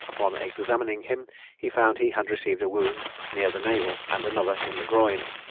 Upon examining him he found he had received a wound near the navel, and another in the groin.